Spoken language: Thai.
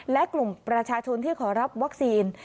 และกลุ่มประชาชนที่ขอรับวัคซีน